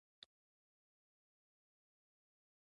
سیلابونه د افغانستان د اقلیمي نظام یو ښه ښکارندوی ده.